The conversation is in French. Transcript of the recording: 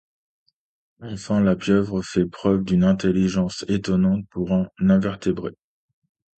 Enfin, la pieuvre fait preuve d'une intelligence étonnante pour un invertébré.